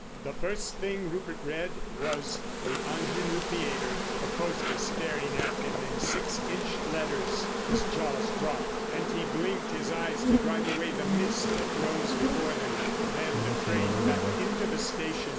The first thing Rupert read was the "Ingenue Theatre," a poster staring at him in six inch letters. His jaws dropped, and he blinked his eyes to drive away the mist that rose before them. Then the train backed into the station.